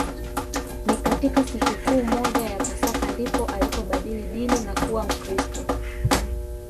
Ni katika sikukuu moja ya Pasaka ndipo alipobadili dini na kuwa Mkristo